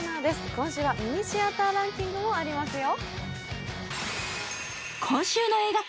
今週はミニシアターランキングもありますよ。